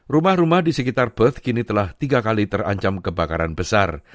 rumah rumah di sekitar bath kini telah tiga kali terancam kebakaran besar